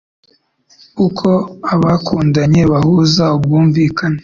Uko abakundanye bahuza ubwumvikane